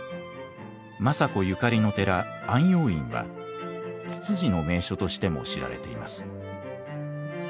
政子ゆかりの寺安養院はツツジの名所としても知られています。